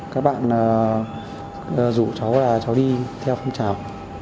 các bạn rủ cháu là cháu đi theo phong trào